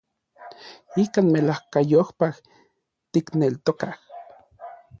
Ikan melajkayopaj tikneltokaj.